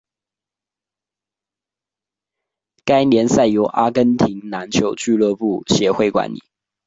该联赛由阿根廷篮球俱乐部协会管理。